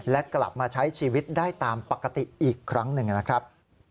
และกลับมาใช้ชีวิตได้ตามปกติอีกครั้งหนึ่งนะครับ